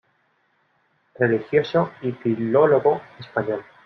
Religioso y filólogo español.